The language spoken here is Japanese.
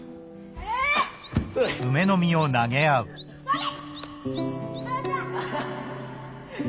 それ！